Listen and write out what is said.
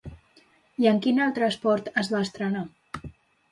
I en quin altre esport es va estrenar?